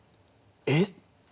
「えっ？